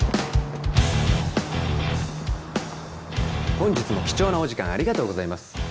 本日も貴重なお時間ありがとうございます